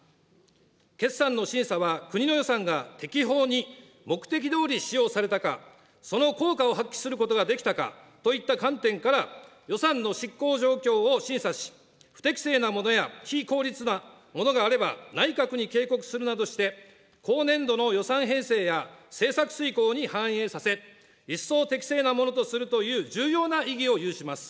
決算の審査は国の予算が適法に目的どおり使用されたか、その効果を発揮することができたかといった観点から、予算の執行状況を審査し、不適正なものや非効率なものがあれば、内閣に警告するなどして、後年度の予算編成や政策遂行に反映させ、一層適正なものとするという重要な意義を有します。